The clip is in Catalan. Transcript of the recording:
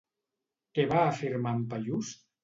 Què va afirmar en Paiús?